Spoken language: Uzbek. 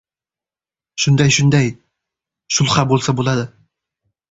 — Shunday, shunday! Shulxa bo‘lsa bo‘ladi!